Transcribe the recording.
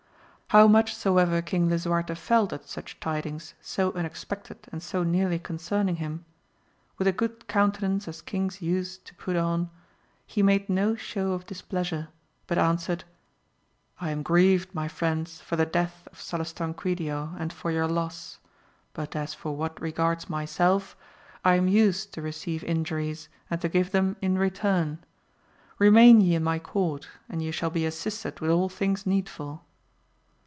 How much soever Eling Lisuarte felt at such tidings so unexpected and so nearly concerning him, with a good countenance as kings use to put on, he made no show of displeasure, but answered, I am grieved my friends for the death of Salustanquidio and for your loss ; but as for what regards myself I am used to receive injuries and to give them in return. Eemain ye in my court, and ye shall be assisted with all things needful.